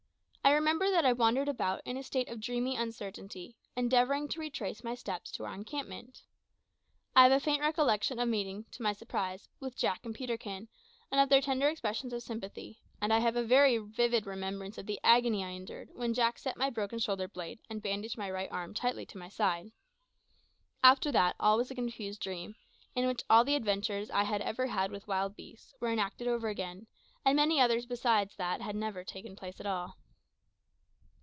I remember that I wandered about in a state of dreamy uncertainty, endeavouring to retrace my steps to our encampment. I have a faint recollection of meeting, to my surprise, with Jack and Peterkin, and of their tender expressions of sympathy; and I have a very vivid remembrance of the agony I endured when Jack set my broken shoulder blade and bandaged my right arm tightly to my side. After that, all was a confused dream, in which all the adventures I had ever had with wild beasts were enacted over again, and many others besides that had never taken place at all.